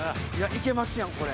いけますやんこれ。